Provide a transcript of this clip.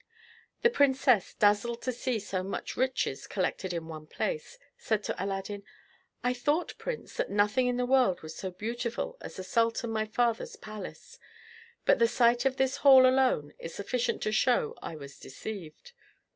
The princess, dazzled to see so much riches collected in one place, said to Aladdin: "I thought, prince, that nothing in the world was so beautiful as the sultan my father's palace, but the sight of this hall alone is sufficient to show I was deceived."